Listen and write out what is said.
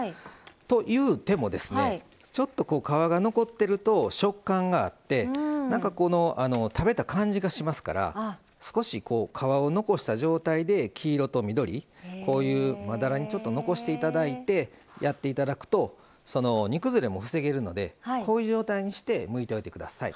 と言うてもですねちょっと皮が残ってると食感があってなんか食べた感じがしますから少し皮を残した状態で黄色と緑こういうまだらにちょっと残して頂いてやって頂くと煮崩れも防げるのでこういう状態にしてむいておいて下さい。